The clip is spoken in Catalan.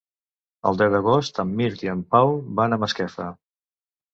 El deu d'agost en Mirt i en Pau van a Masquefa.